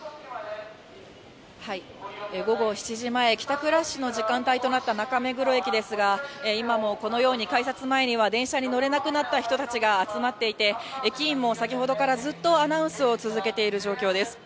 午後７時前、帰宅ラッシュの時間帯となった中目黒駅ですが、今もこのように改札前には電車に乗れなくなった人たちが集まっていて、駅員も先ほどからずっとアナウンスを続けている状況です。